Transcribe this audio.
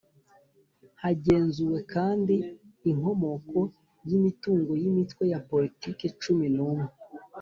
hagenzuwe kandi inkomoko y’imitungo y’imitwe ya politiki cumi n’umwe